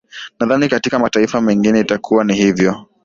nadhani katika mataifa mengine itakuwa ni hivo